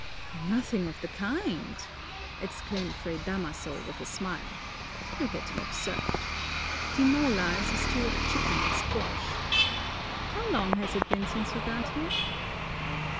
"Nothing of the kind!" exclaimed Fray Damaso with a smile. "You're getting absurd. Tinola is a stew of chicken and squash. How long has it been since you got here?"